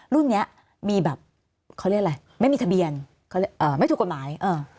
รุ่นนี้มีแบบเขาเรียกอะไรไม่มีทะเบียนไม่ถูกกฎหมาย